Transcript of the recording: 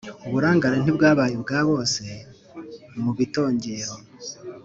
uburangare ntibwabaye ubwa bose. mu bitongero